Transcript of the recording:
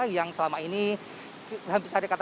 yang selama ini hampir saja dikatakan